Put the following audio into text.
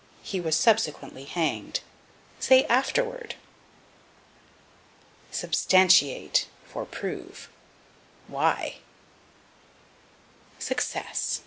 "He was subsequently hanged." Say, afterward. Substantiate for Prove. Why? Success.